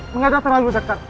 mengadak terlalu dekat